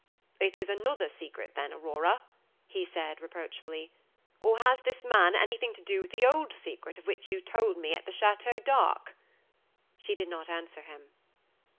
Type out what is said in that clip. "It is another secret, then, Aurora," he said, reproachfully; "or has this man anything to do with the old secret of which you told me at the Chateau d'Arques?" She did not answer him.